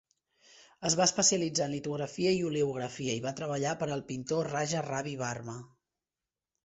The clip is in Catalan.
Es va especialitzar en litografia i oleografia i va treballar per al pintor Raja Ravi Varma.